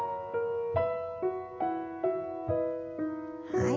はい。